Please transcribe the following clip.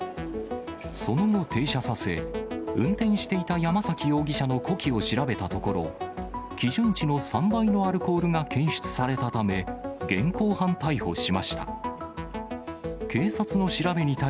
その後、停車させ、運転していた山崎容疑者の呼気を調べたところ、基準値の３倍のアルコールが検出されたため、現行犯逮捕しました。